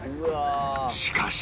しかし